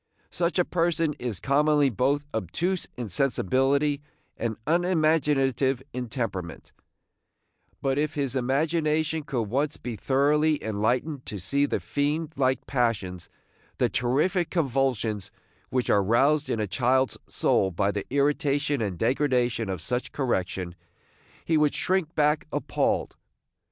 Such a person is commonly both obtuse in sensibility and unimaginative in temperament; but if his imagination could once be thoroughly enlightened to see the fiend like passions, the terrific convulsions, which are roused in a child's soul by the irritation and degradation of such correction, he would shrink back appalled.